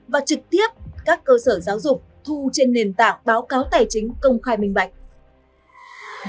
và trực tiếp các cơ sở giáo dục thu trên nền tảng báo cáo tài chính công khai minh bạch